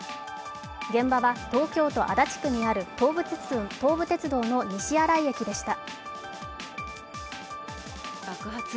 現場は東京都足立区にある東武鉄道の西新井駅でした。